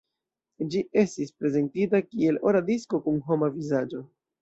Ĝi estis prezentita kiel ora disko kun homa vizaĝo.